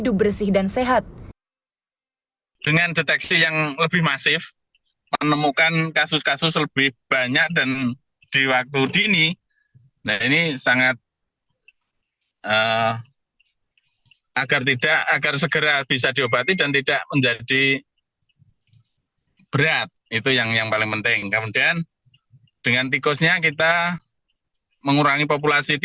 perilaku hidup bersih dan sehat